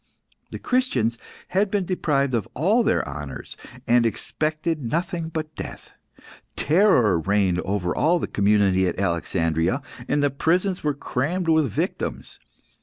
The Christians had been deprived of all their honours, and expected nothing but death. Terror reigned over all the community at Alexandria, and the prisons were crammed with victims.